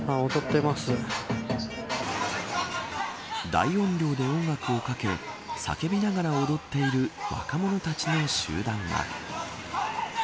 大音量で音楽をかけ叫びながら踊っている若者たちの集団が。